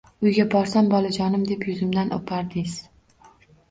Uyga borsam bolajonim deb yuzimdan upardiz